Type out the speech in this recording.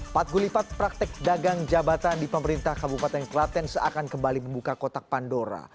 pat gulipat praktek dagang jabatan di pemerintah kabupaten klaten seakan kembali membuka kotak pandora